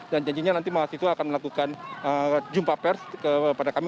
dan janjinya nanti mahasiswa akan melakukan jumpa pers kepada kami